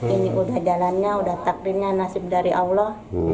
ini udah jalannya udah takdirnya nasib dari allah